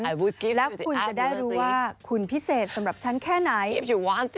แล้วคุณจะได้รู้ว่าคุณพิเศษสำหรับฉันแค่ไหน